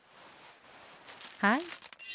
はい。